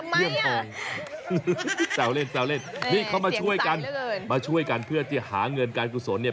เลี่ยมทองแซวเล่นแซวเล่นนี่เขามาช่วยกันมาช่วยกันเพื่อที่หาเงินการกุศลเนี่ย